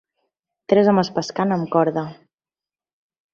Tres homes pescant amb corda.